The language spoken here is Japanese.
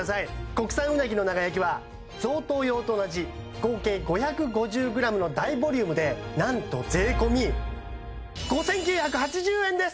国産うなぎの長焼きは贈答用と同じ合計５５０ｇの大ボリュームでなんと税込５９８０円です！